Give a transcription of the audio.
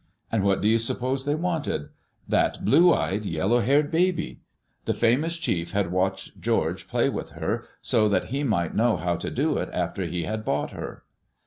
And what do you suppose they wanted? That blue eyed, yellow haired baby I The famous chief had watched George play with her so that he might know how to do it after he had bought her.